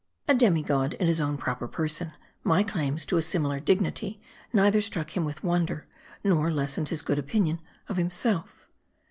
A demi god in his own proper person, my claims to a similar dignity neither struck him with wonder, nor lessened his good opinion of himself.